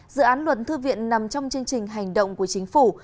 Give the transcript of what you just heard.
dự án luận thư viện nằm trong chương trình hành động của chính phủ